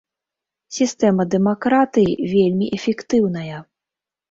Сістэма дэмакратыі вельмі эфектыўная.